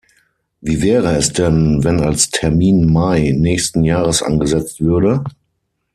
Wie wäre es denn, wenn als Termin Mai nächsten Jahres angesetzt würde?